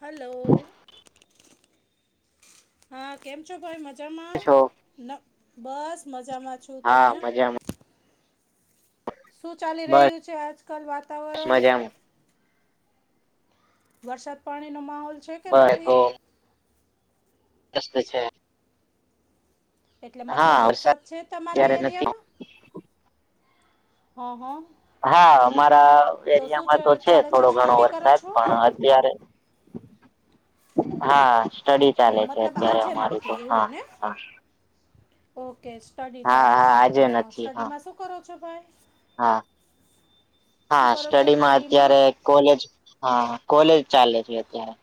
Hello હા કેમ છો ભાઈ મજામાં છો ન બસ મજામાં છું હા તમે મજામાં શું ચાલી રહ્યું બસ છે. આજકાલ વાતાવરણ મજામાં વરસાદ પાણીનો માહોલ છે કે બસ નથી. તો [unintelligible] એટલે મતલબ વરસાદ છે. તમારા અત્યારે નથી એરિયામાં હ હ હા અમારા એરિયામાં તો છે ચાલે થોડો ઘણો સ્ટડી કરો વરસાદ છો પણ અત્યારે હા સ્ટડી ચાલે છે મતલબ અત્યારે આજે અમારી તો નથી હા એવું ને હા ઓકે સ્ટડી હા ચાલે હા છે આજે અ નથી હા સ્ટડીમાં શું કરો છો ભાઈ હા શું હા કરો છો સ્ટડીમાં અત્યારે કોલેજ હા કોલેજ ચાલે છે અત્યારે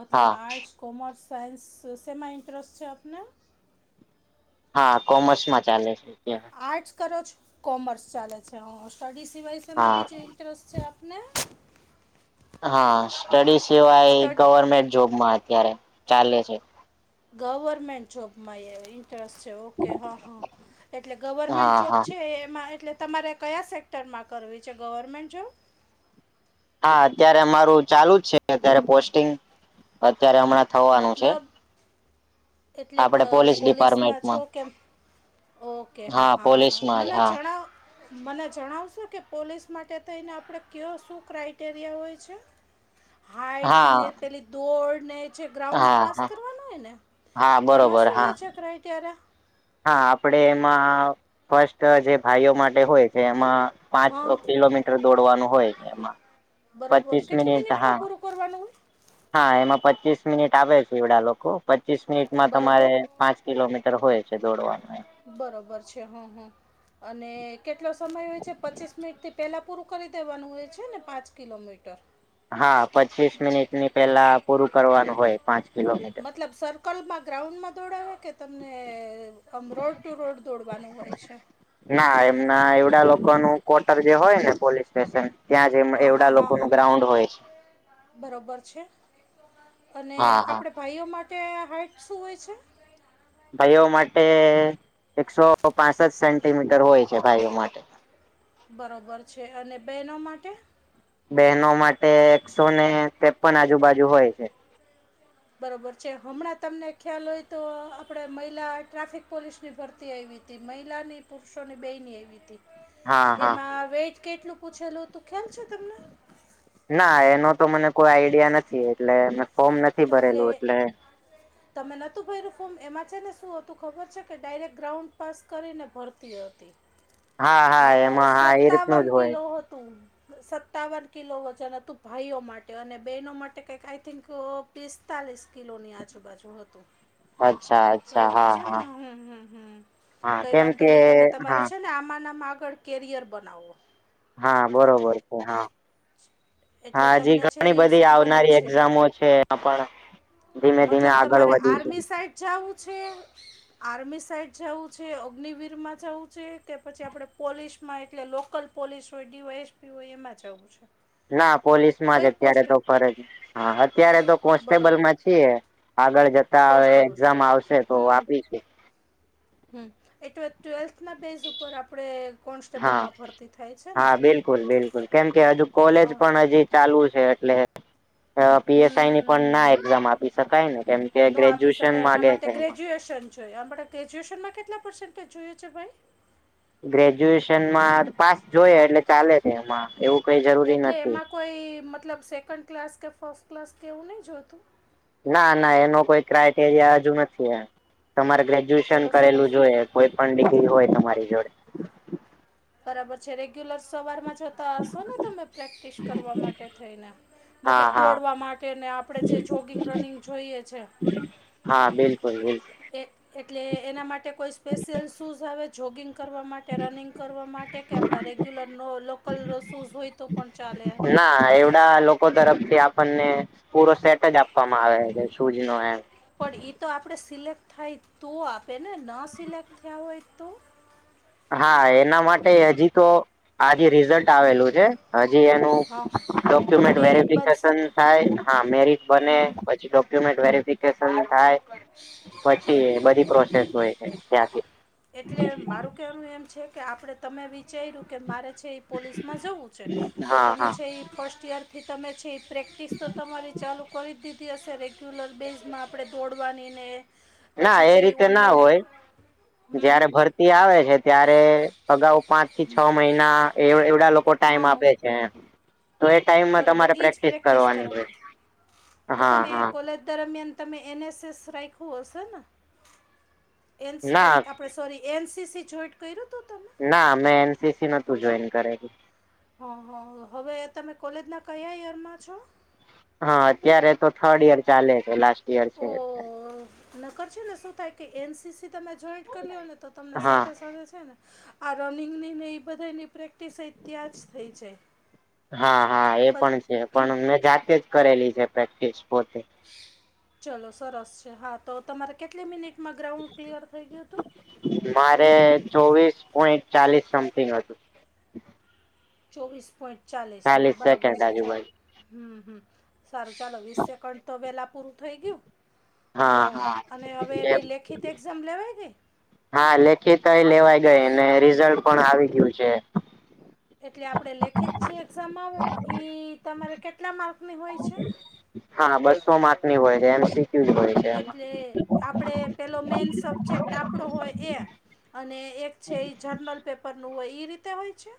મતલબ હા આર્ટ્સ, કોમર્સ, સાયન્સ શેમાં ઇન્ટરેસ્ટ છે આપને હા કોમર્સ માં ચાલે છે એમ આર્ટ્સ કરો છો કોમર્સ ચાલે છે હ સ્ટડી સિવાય શેમાં હા બીજે ઇન્ટરેસ્ટ છે આપને હા સ્ટડી સિવાય સ્ટડ ગવર્મેન્ટ જોબમાં અત્યારે ચાલે છે ગવર્મેન્ટ જોબમાં ઈન્ ટરસ્ટ છે ઓકે હા હા એટલે ગવર્મેન્ટ હા હા જોબ છે એમાં એટલે તમારે કયા સેક્ટરમાં કરવી છે ગવર્મેન્ટ જોબ હા અત્યારે અમારું ચાલુ જ છે. અત્યારે પોસ્ટિંગ અત્યારે હમણાં થવાનું છે મતલબ એટલે ક આપડે પોલીસ પોલીસમાં છો ડિપાર્ટમેન્ટમાં કેમ ઓકે હા હા હા પોલીસમાં જ મને હા જણાવ મને જણાવશો કે પોલીસ માટે થઈને આપણે કયો શું ક્રાઈટેરિયા હોય છે. હાઈટ ને હા પેલી દોડ ને જે ગ્રાઉન્ડ હા પાસ હા કરવાનો હોય ને હા એમાં બરોબર શું હા વેચ ક્રાઈટેયા હા આપડે એમાં ફસ્ટ જે ભાઈઓ માટે હોય એમાં પાંચ હા કિલોમીટર દોડવાનું હોય એમાં બરોબર પચીસ કેટલી મિનિટ મિનિટમાં હા પૂરું કરવાનું હા એમાં પચીસ મિનિટ આપે છે એવડા લોકો પચીસ મિનિટમાં બરોબર તમારે પાંચ કિલોમીટર હોય છે દોડવાનું બરોબર છે હં હ અને કેટલો સમય હોય છે પચીસ મિનિટથી પહેલાં પૂરું કરી દેવાનું હોય છે ને પાંચ કિલોમીટર હા પચીસ મિનિટની પહેલા પૂરું કરવાનું હોય. પાંચ કિલો મતલબ સર [unintelligible] ગ્રાઉન્ડમાં દોડાવે કે તમને આમ રોડ ટુ રોડ દોડવાનું હોય છે. ના એમના એ લોકોનું ક્વોટર જે હોય ને પોલીસ સ્ટેશન ત્યાં જ એમ એ લોકોનું ગ્રાઉન્ડ હોય છે. બરાબર છે અને હા હા. આપણે ભાઈઓ માટે હાઈટ શું હોય છે? ભાઈઓ માટે એકસો પાંસઠ સેન્ટીમીટર હોય છે. ભાઈઓ માટે બરાબર છે અને બહેનો માટે? બહેનો માટે એકસો ને તેપન આજુબાજુ હોય. બરોબર છે. હમણાં તમને ખ્યાલ હોય તો આપણે મહિલા ટ્રાફિક પોલીસની ભરતી આવયી. તે મહિલાની પુરુષોની બંનેની આવી હતી. હા હા. એમાં વેઈટ કેટલું પૂછેલું હતું ખ્યાલ છે તમને? ના એનો તો મને કોઈ આઈડિયા નથી. એટલે મે ફોર્મ નથી ભરેલું. એટલે [inaudible] તમે ન હોતું ભર્યું ફોર્મ એમાં છે ને શું હતું ખબર છે કે ડાયરેક ગ્રાઉન્ડ પાસ કરીને ભરતી હતી. હા હા એમાં હા એ રીતનું સત્તાવન જ હોય. કિલો હતું. સત્તાવન કિલો વજન હતું ભાઈઓ માટે અને બહેનો માટે કંઈક આઈ થિંક પિસ્તાલીસ કિલોની આજુબાજુ હતું. અચ્છા અચ્છા બરોબર હા છે ને હા. હમ્મ હમ્મ હમ્મ. હા કઈ કેમ વાંધો કે નહી તમે હા તમારું છે ને આમાં ના આમાં આગળ કેરિયર બનાવો. હા બરોબર છે હા. એટલે હજી તમને છે ઘણી એ બધી શું બનવું આવનારી છે એક્ઝામો છે. આપણ મતલબ તમારે આર્મી સાઈડ જાવું છે. આર્મી સાઈડ જવું છે? અગ્નવીર માં જવું છે? કે પછી આપણે પોલીસમાં એટલે લોકલ પોલીસ હોય ડીવાય એસપી હોય એમાં જાવું છે? ના પોલીસ માં જ કઈ અત્યારે પોસ્ટ તો ભરે હા અત્યારે તો બરોબર કોન્સ્ટેબલમાં જ છીએ. આગળ જતા હવે કોન્સ્ટેબલ એક્ઝામ આવશે તો આપીશુ. [unintelligible] ના બેસ ઉપર આપણે હા કોન્સટેબલમાં ભરતી થાય છે ને હા બિલકુલ બિલકુલ કેમ કે હજુ કોલેજ અ પણ હજી ચાલુ છે. એટલે પીએસઆઈ ની પણ ના હમ એક્ઝામ આપી શકાય ને કેમ કે ન આપી ગ્રેજ્યુએશન શકાય એના માંગે માટે છે. ગ્રેજ્યુએશન જોઈએ. આપણે ગ્રેજ્યુએશનમાં કેટલા પર્સન્ટેજ જોઈએ છે ભાઈ ગ્રેજ્યુએશનમાં પાસ જોઈએ એટલે ચાલે છે. એમાં એવું કઈ જરૂરી એટલે નથી એમાં કોઈ મતલબ સેકન્ડ ક્લાસ કે ફર્સ્ટ ક્લાસ કે એવું નહી જોતું? ના ના એનો કોઈ ક્રાઈટેરિયા હજુ નથી એમ તમારે ગ્રેજ્યુએશન ચલો કરેલું સરસ જોઈએ. કોઈ પણ ડિગ્રી હોય. તમારી જોડે બરાબર છે. રેગ્યુલર સવાર માં જતા હશો ને તમે પ્રેક્ટિસ કરવા માટે થઈને. હા મતલબ હા દોડવા માટે ને આપણે જે જોગિંગ રનિંગ જોઈએ છે. હા બિલકુલ બિલકુલ. એ એટલે એના માટે કોઈ સ્પેશિયલ શૂઝ આવે જોગિંગ કરવા માટે રનિંગ કરવા માટે કે આપણા રેગ્યુલરનો લોકલ શૂઝ હોય તો પણ ચાલે ના એવુ ના એ લોકો તરફથી આપણને પૂરો સેટ જ આપવામાં આવે છે. શૂઝ નો એમ પણ ઈ તો આપણેે સિલેક્ટ થાય તો આપે ને, ન સિલેક્ટ થયા હોય તો? હા એના માટે હજી તો આજે રિઝલ્ટ આવેલું છે. હજી એનું હા ડોક્યુમેન્ટ મેરિટ બનશે વેરફિકેશન ને થાય હા મેરિટ બને હમ પછી ડો ક્યુમેન્ટ વેરિફિકેશન થાય પછી બધી પ્રોસેસ હોય છે ત્યાંથી એટલે મારું કહેવાનું એમ છે કે આપડે તમે વિચાયરુ કે મારે છે એ પોલીસમાં જવું છે તો હા તમે હા છે એ ફર્સ્ટ યર થી તમે છે પ્રેક્ટિસ તો તમારી ચાલુ કરી જ દીધી હશે રેગ્યુલર બેઝમાં આપડે દોડવાનીને ના એ રીતે ના હોય હમ હમ જયારે ભરતી આવે છે, ત્યારે અગાઉ પાંચ થી છ મહિના [unintelligible] એ લોકો ટાઈમ આપે છે તો એ ટાઈમમાં બરાોબર તમારે ઈ જ પ્રેક્ટિસ કરવાની કરાવે હોય. તો હા તમે હા કોલેજ દરમિયાન તમે એન એસ એસ રાયખુ હશે ન એન્સ ના [unintelligible] આપણે sorry N C C joint કયરુ તું તમે? ના મેં એન સી સી નતું જોઈન્ટ કરેલું હ હ હવે તમે કોલેજના કયા યરમાં છો? હા અત્યારે તો થર્ડ યર ચાલે છે. લાસ્ટ યર છે ઓ એટલે નકર છે ને શું થાય કે એન સી સી તમે જોઈન્ટ કરી લ્યો ને તો તમને હા. સાથે સાથે છે ને આ રનિંગની ને ઈય બધાની પ્રેક હા હા એ પ પણ છે, પણ અમને જાતે જ કરેલી છે પ્રેક્ટિસ પોતે ચલો સરસ છે, હા તો તમારે કેટલી મિનિટમાં ગ્રાઉન્ડ ક્લિયર થઈ ગયું તું? મારે ચોવીસ પોઈન્ટ ચાલીસ સમથિંગ હતું ચોવીસ પોઈન્ટ ચાલીસમાં ચાલીસ બરાબર સેકન્ડ છે ચ આજુબાજુ. હમ્મ હં સારું ચાલો વીસ સેકન્ડ તો વેલાં પૂરું થઈ ગયું હા ગ્રાઉન્ડ હા. અને અવે એની લેખિત એક લેવાય ગઈ હા લેખિતય લેવાય ગઈ ને રિઝલ્ટ પણ આવી ગયું છે. એટલે આપડે લેખિત જે એક્ઝામ આવે ઇ તમારે કેટલા માર્કની હોય છે? હા બસો માર્કની હોય છે એમ સી ક્યુ જ હોય છે એમ. એટલે આપડે પેલો મેન સબ્જેક્ટ આપડો હોય એ અને એક છે એ જર્નલ પેપરનું હોય ઈ રીતે હોય છે?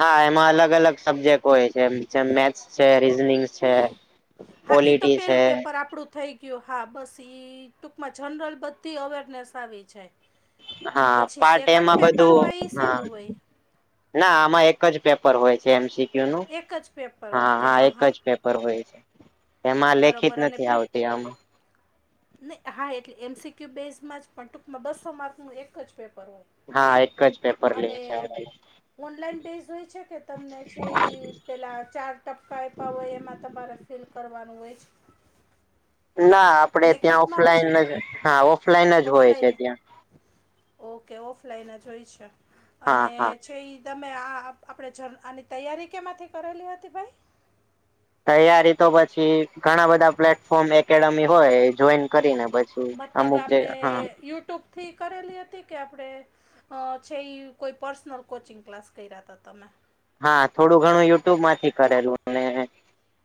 હા એમાં અલગ-અલગ સબ્જેક્ટ હોય છે. જેમ મેથ્સ છે, રીઝનિંગ છે. હા ઇતો પોલિટી છે પેલું પેપર આપડુ થઈ ગ્યુ હા બસ ઈ ટૂંકમાં જનરલ બધી અવેરનેસ આવી જાય. હાં પછી પાર્ટ સેકન્ડ એમાં પેપર બધું હોય એ હાં શેનું હોય ના આમાં એક જ પેપર હોય છે એમ સી ક્યુ નું એક જ પેપર હા ઓકે હા એક જ પે પર હોય છે. એમાં લેખિત બરોબર અને નથી પ્રિપ આવતી આમાં નય હા એટલે એમ સી ક્યુ બેઝમાં જ પણ ટૂંકમાં બસ્સો માર્કનું એક જ પેપર હોય હા એક જ પેપર લે અને છે ઓનલાઈન બેઝ હોય છે કે? તમને છે એ પેલાં ચાર ટપકા આયપા હોય, એમાં તમારે ફીલ કરવાનું હોય છ? ના આપડે ત્યાં લેખિતમાં હોય છે ઓફલાઈન જ હા ઓફલાઈન જ હોય છે ત્યાં. ઓ કે ઓફલાઈન જ હોય છે અને હા હા છે ઈ તમે આ આપ આપણે જર આની તૈયારી કેમાંથી કરેલી હતી ભાઈ? તૈયારી તો પછી ઘણા બધા પ્લેટફોર્મ એકેડમી હોય, એ જોઈને કરીને પ મતલબ આપડે યુટ્યુબ થી કરેલી અતી કે, આપડે અ છે ઈ કોઈ પર્સનલ કોચિંગ ક્લાસ કયરા અતા તમે. હા, થોડું ઘણું યુટ્યુબ માંથી કરેલું ને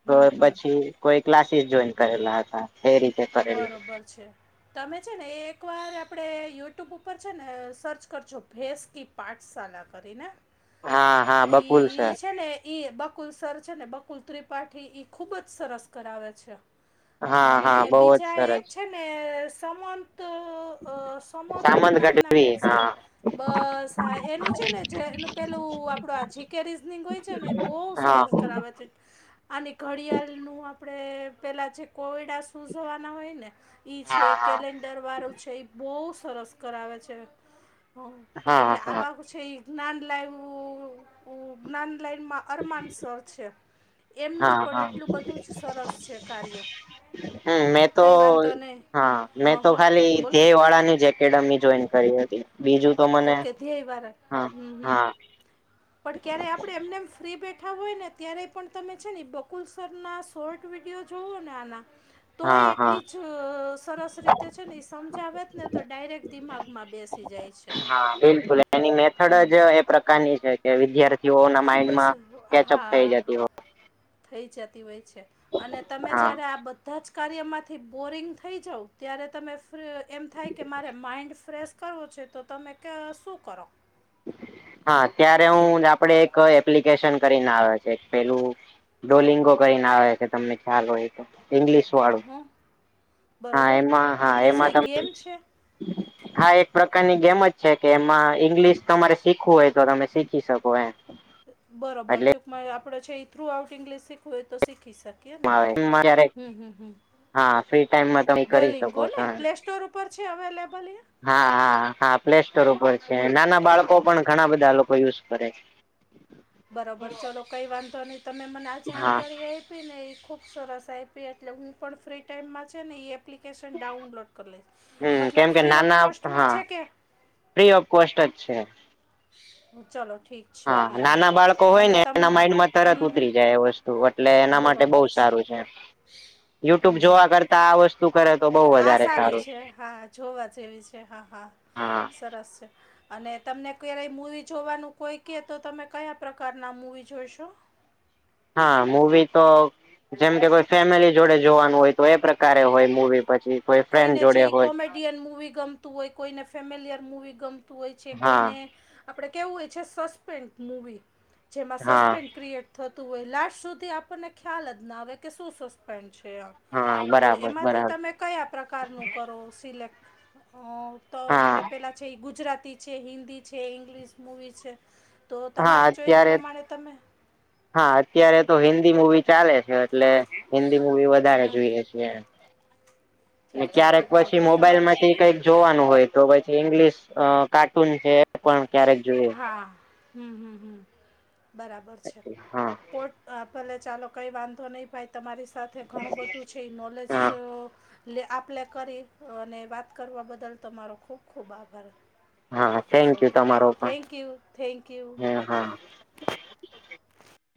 હમ તોય હમ પછી કોઈ ક્લાસીસ જોઈન કરેલા અતા, એ રીત બરોબર છે. તમે છે ને એ-એકવાર આપડણે યુટ્યુબ ઉપર છે ને સર્ચ કરજો ભેંસકીપ. પાઠસાલા કરીને, હા હા બકુલ ઈ સર છે ને ઈ બકુલ સર છે ને બકુલ ત્રિપાઠી, ઇ ખૂબ જ સરસ કરાવે છે. હા-હા, બોવ જ છરછ. એને સમન [inaudible] અ સમથ સામંત નામના ગઢવી કોક સે હા બસ હા એનુ છે ને, જે એનુ પેલુ આપડો જેકે રીઝનીંગ ઓય છે ને એ બોવ હા સરસ કરાવે છે. [inaudible] અને ઘડિયાલનું આપડણે પેલા જે કોયડા સ ઉઝવાના હોય ને, ઈ છે હા હા કેલેન્ડર વારો છે. એ બોઓ સરસ કરાવે છે. હ, હા એટલે હા આવા હો છે ઇ જ્ઞાન લાયવુ-ઉ જ્ઞાન લાઈનમા અરમાનસર છે. એમનુય હા પણ હા એટલુ બધુ જ સરસ છે, કાર્ય. હમ્મ, મે તો કંઈ વાંધો નહીં હા, મે હં તો હં ખાલી બોલ ધ્યેય વાળાની જ એ કેળવડી જોઈન કરી હતી. બીજું તો મને ઓકે, ધ્યેય વારા હા હમ્મ-હમ્મ હા પળ ક્યારે આપડે એમને એમ ફ્રી બેઠા હોય ને, ત્યારે પણ તમે છે ને બકુલ સરના સોર્ટ વિડિઓ જોવો ને આના. તોય હા હા એટલી જ અઅ સરસ રીતે છે ને એ સમજાવત ને, તો ડાયરેક્ટ દિમાગમાં બેસ તી જાય છે. હા, બિલકુલ એની મેથડ જ અ કાની છે કે, વિદ્યાર્ [unintelligible] હા, જતી હા. હોય થઈ જતી ઓય છે. અને તમે હા જ્યારે આ બધ્ ધાં જ કાર્યમાંથી બોરિંગ થઈ જાઉ, ત્યારે તમે ફ્રીરર એમ થાય કે મારે માઇન્ડ ફ્રેસ કરવુ છે, તો તમે ક સું કરો? હા, ત્યારે હું જ આપડે એક એપ્લિકેશન કરીને આવે છે પેલુ ડુલિંગો કયીને આવે છે, તમને ખ્યાલ ઓય. ઇંગ્લિસ વાળુ. હં હં હા બરોબર એમા, હા એટલે એમા શું તમે ગેમ છે હા, એક પ્રકારની ગેમ જ છે કે એમા ઈંગ્લિસ તમારે સીખવું ઓય, તો તમે સીખી સકો એમ. બરોબર. એટલે ટૂંકમાં, આપણો જી એ થ્રુ આઉટ ઇંગ્લિસ સીખવુ હોય તો સીખી સક કે ને. ક્યારેક હમ્મ, હમ્મ-હમ્મ. હા ફ્રી ટાઈમમાં તમે કરી ડોલિંગો શકો ને પ્લેસ્ ટોર ઉપર છે, અવેલેબલ એ? હા-હા-હા, પ્લે સ્ટોર ઉપર છે. નાના બાળકો પણ ઘણા બધા લોકો યુસ કરે છે. [inaudible] બરોબર. ચલો, કઈ વાંધો નઈ. તમે મને આ છે હા જાણકારી આય પી ને એ ખૂબ સરસ આયપી એટલે હું પણ ફ્રી ટાઈમમાં છે ને, ઈ એપ્ એપ્લિકેશન ડાઉનલોડ કરી લઈશ. હમ મતલબ કેમ કે ફ્રી ઓફ નાના કોસ્ટમાં હા છે કે? ફ્રી ઓફ કોસ્ટ જ છે. ચલો ઠીક. હા નાના બાળકો હોય અને ને તમ એના માઈન્ડમાં તરત હમ હમ ઉતરી જાય એ વસ્તુ એટલે એના માટે બહુ સારું છે. યુટ્યુબ જોવા કર આ સારી છે હા જોવા જેવી છે હા હા. સરસ છે. અને તમને ક્યારેય મૂવી જોવાનું કોઈ કહે તો તમે કયા પ્રકારના મૂવી જોઈશો? હા મૂવી તો જેમ કે કોઈ ફેમિલી જોડે જોવાનું હોય તો એ પ્રકારે હોય મુવી, પછી કોઈ ફ્રેન્ડ જોડે હોય. ઇન્ડિયન મુવી ગમતું હોય, કોઈને ફેમિલીયર મુવી ગમતું હોય છે, કોઈને હા આપણે કેવું હોય છે સસ્પેન્સ મૂવી, જેમાં હા સસ્પેન્ ક્રિએટ થતું હોય. લાસ્ટ સુધી આપણને ખ્યાલ જ ના આવે કે શું સસ્પેન્ડ છે આમ. હા તો બરાબર એમાંથી બરાબર તમે કયા પ્રકારનું કરો સિલેક્ટ? અ તો આપણે હા પહેલાં છે ઈ ગુજરાતી છે, હિન્દી છે, ઇંગ્લિશ મૂવી છે. તો હા તમારી ચોઈસ અત્યારે પ્રમાણે તમે હા અત્યારે તો હિન્દી મુવી ચાલે છે. એટલે હિન્દી મુવી વધારે હમ જોઈએ છે એમ. ને ઠીક છે ક્યારેક ઠીક છે પછી ભાઈ તમારે મોબાઈલમાંથી કઈક જોવાનું હોય તો પછી ઈંગ્લિશ કાર્ટૂન છે એ પણ ક્યારેક જોઈએ. હા હમ હમ હમ બરાબર છે. હા પોટ હા ભલે ચાલો કંઈ વાંધો નહીં ભાઈ તમારી સાથે ઘણું બધું છે ઈ નોલેજ હા લે આપ લે કરી અને વાત કરવા બદલ તમારો ખૂબ ખૂબ આભાર. હા થેન્ક યુ ઓકે તમારો પણ. થેન્ક યુ થેન્ક યુ ને હા.